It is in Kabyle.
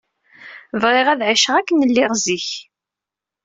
Bɣiɣ ad ɛiceɣ akken lliɣ zik.